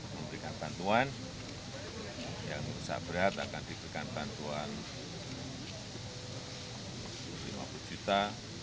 memberikan bantuan yang rusak berat akan diberikan bantuan rp lima puluh juta